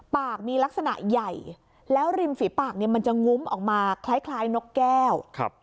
ปากมีลักษณะใหญ่แล้วริมฝีปากเนี่ยมันจะงุ้มออกมาคล้ายนกแก้ว